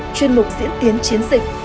chuyên mục diễn tiến chiến dịch